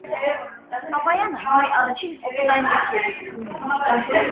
Պապայանը հայ առաջին օպերային մեծ երգչուհին էր։